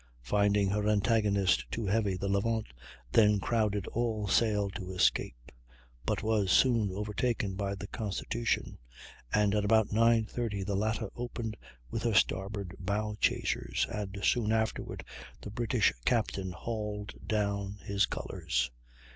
Finding her antagonist too heavy, the Levant then crowded all sail to escape, but was soon overtaken by the Constitution, and at about 9.30 the latter opened with her starboard bow chasers, and soon afterward the British captain hauled down his colors.